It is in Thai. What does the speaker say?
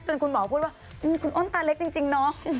คุณหมอพูดว่าคุณอ้นตาเล็กจริงเนาะ